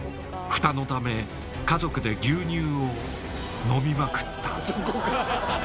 フタのため家族で牛乳を飲みまくったそこか！